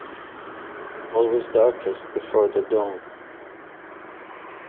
It's always darkest before the dawn.